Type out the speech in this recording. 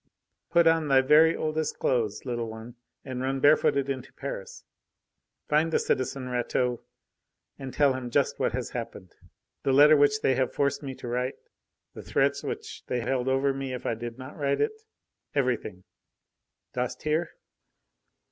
Put on thy very oldest clothes, little one, and run bare footed into Paris, find the citizen Rateau and tell him just what has happened: the letter which they have forced me to write, the threats which they held over me if I did not write it everything. Dost hear?"